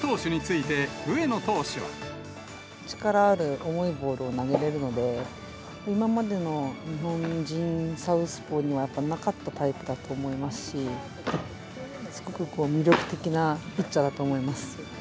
力ある重いボールを投げられるので、今までの日本人サウスポーにはやっぱりなかったタイプだと思いますし、すごく魅力的なピッチャーだと思います。